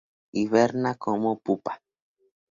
Hiberna como pupa.